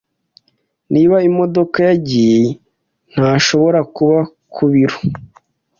Niba imodoka yagiye, ntashobora kuba ku biro.